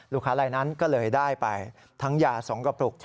ลายนั้นก็เลยได้ไปทั้งยา๒กระปุก